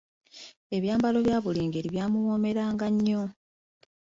Ebyambalo ebya buli ngeri byamuwoomeranga nnyo.